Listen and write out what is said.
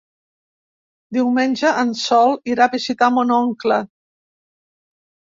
Diumenge en Sol irà a visitar mon oncle.